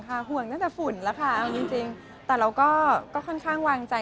เป็นห่วงค่ะห่วงน่าจะฝุ่นแหละค่ะเอาจริงแต่เราก็ค่อนข้างวางใจ